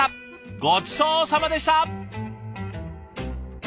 ごちそうさまでした。